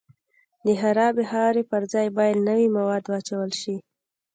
د خرابې خاورې پر ځای باید نوي مواد واچول شي